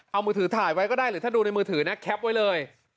เอามือถือถ่ายไว้ก็ได้หรือถ้าดูในมือถือนะแคปไว้เลย